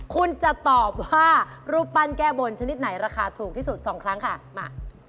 คุณจะตอบว่ารูปปั้นแก้บนชนิดไหนราคาถูกที่สุดสองครั้งค่ะมา